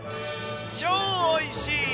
超おいしい。